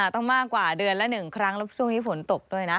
ต้องมากกว่าเดือนละ๑ครั้งแล้วช่วงนี้ฝนตกด้วยนะ